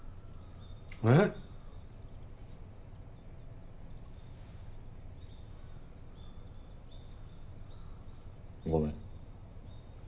えっ？ごめん。